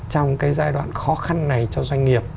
trong cái giai đoạn khó khăn này cho doanh nghiệp